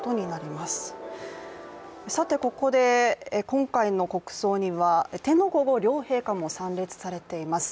ここで今回の国葬には、天皇皇后両陛下も参列されています。